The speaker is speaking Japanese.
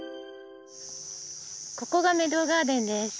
ここがメドウガーデンです。